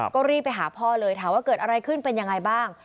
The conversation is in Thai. ก็รีบไปหาพ่อเลยถามว่าเกิดอะไรขึ้นเป็นยังไงบ้าง